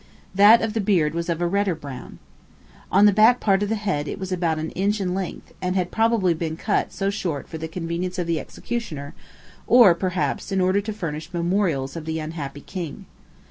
That of the beard was of a redder brown. On the back part of the head it was about an inch in length, and had probably been cut so short for the convenience of the executioner, or, perhaps, in order to furnish memorials of the unhappy king.